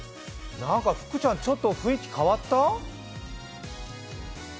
なんか福ちゃん、ちょっと雰囲気変わった？